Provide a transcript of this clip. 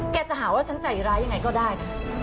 จะหาว่าฉันใจร้ายยังไงก็ได้นะ